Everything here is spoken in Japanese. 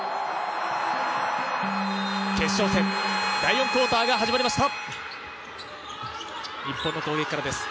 決勝戦、第４クオーターが始まりました。